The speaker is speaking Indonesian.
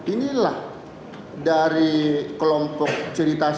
inilah dari kelompok cerita kesejahteraan ini ya ini itu